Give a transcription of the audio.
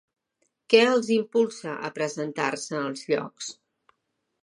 Què els impulsa a presentar-se als llocs?